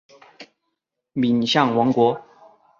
敏象王国。